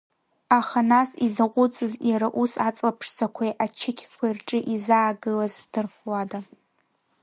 Аха нас изаҟәыҵыз, иара ус аҵла ԥшӡақәеи ачықьқәеи рҿы изаагылаз здырхуада.